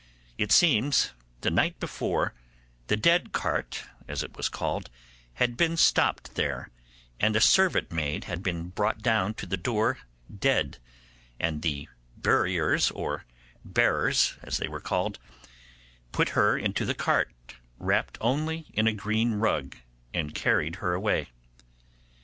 It seems, the night before, the dead cart, as it was called, had been stopped there, and a servant maid had been brought down to the door dead, and the buriers or bearers, as they were called, put her into the cart, wrapt only in a green rug, and carried her away.